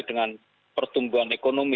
dengan pertumbuhan ekonomi